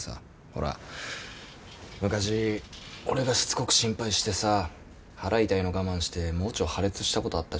ほら昔俺がしつこく心配してさ腹痛いの我慢して盲腸破裂したことあったじゃん。